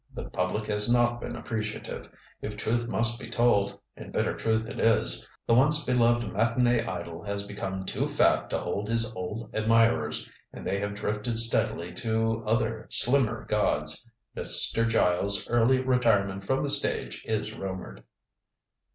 The public has not been appreciative. If truth must be told and bitter truth it is the once beloved matinée idol has become too fat to hold his old admirers, and they have drifted steadily to other, slimmer gods. Mr. Giles' early retirement from the stage is rumored."